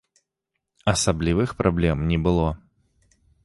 Асаблівых праблем не было.